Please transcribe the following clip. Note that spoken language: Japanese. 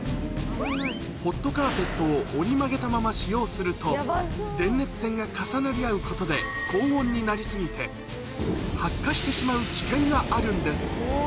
ホットカーペットを折り曲げたまま使用すると、電熱線が重なり合うことで高温になり過ぎて、発火してしまう危険があるんです。